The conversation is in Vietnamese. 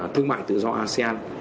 thương mại tự do asean